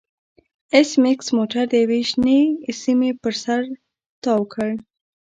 ایس میکس موټر د یوې شنې سیمې پر سر تاو کړ